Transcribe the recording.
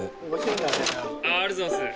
ありがとうございます。